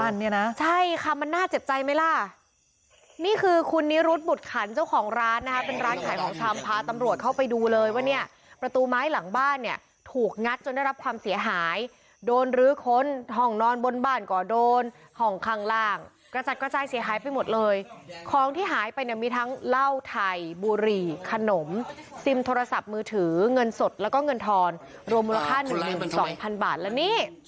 นี่คือคุณนิรุฑบุตรขันเจ้าของร้านนะครับเป็นร้านขายของชำพาตำรวจเข้าไปดูเลยว่าเนี่ยประตูไม้หลังบ้านเนี่ยถูกงัดจนได้รับความเสียหายโดนรื้อค้นห่องนอนบนบ้านก่อโดนห่องข้างล่างกระจัดกระจายเสียหายไปหมดเลยของที่หายไปเนี่ยมีทั้งเหล้าไถ่บุหรี่ขนมซิมโทรศัพท์มือถือเงินสดแล้วก็เงิน